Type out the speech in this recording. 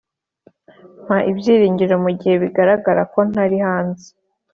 mpa ibyiringiro mugihe bigaragara ko ntari hanze.